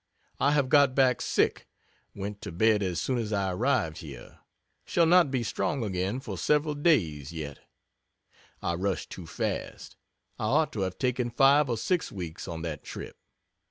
I have got back sick went to bed as soon as I arrived here shall not be strong again for several days yet. I rushed too fast. I ought to have taken five or six weeks on that trip.